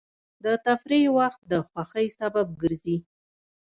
د تفریح وخت د خوښۍ سبب ګرځي.